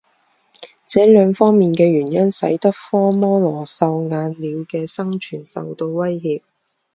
这两方面的原因使得科摩罗绣眼鸟的生存受到威胁。